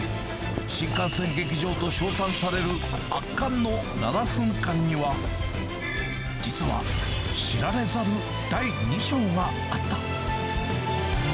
新幹線劇場と称賛される圧巻の７分間には、実は、知られざる第２章があった。